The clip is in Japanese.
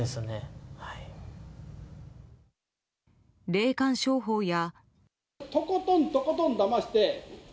霊感商法や。